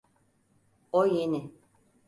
O yeni.